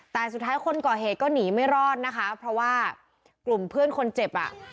แต่สุดท้ายคนก่อเหตุก็หนีไม่รอดนะคะเพราะว่ากลุ่มเพื่อนคนเจ็บอ่ะ